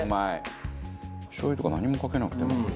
しょう油とか何もかけなくても。